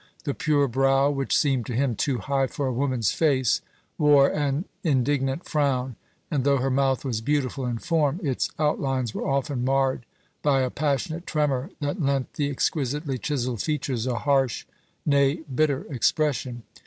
The pure brow, which seemed to him too high for a woman's face, wore an indignant frown; and though her mouth was beautiful in form, its outlines were often marred by a passionate tremor that lent the exquisitely chiselled features a harsh, nay, bitter expression.